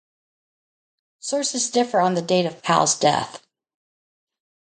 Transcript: Sources differ on the date of Powell's death.